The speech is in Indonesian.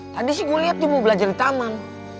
tadi sih gue liat tuh mau belajar di taman